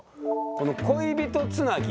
この恋人つなぎ？